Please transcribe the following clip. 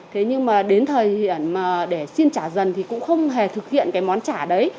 thế nhưng mà đến thời điểm mà để xin trả dần thì cũng không hề thực hiện cái món trả đấy